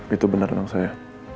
itu benar lang saya